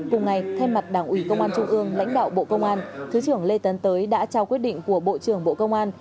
cùng ngày thay mặt đảng ủy công an trung ương lãnh đạo bộ công an thứ trưởng lê tấn tới đã trao quyết định của bộ trưởng bộ công an